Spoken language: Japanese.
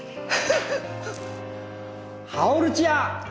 ハオルチア！